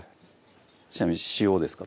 ちなみに塩ですか？